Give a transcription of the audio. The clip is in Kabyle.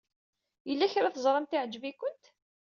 Yella kra teẓramt yeɛjeb-ikent?